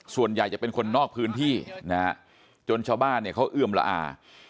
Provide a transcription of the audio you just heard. ส่วนใหญ่จะเป็นคนนอกพื้นที่จนชาวบ้านเขาเอื้อมระอา